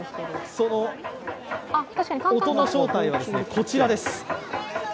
その音の正体はこちらです。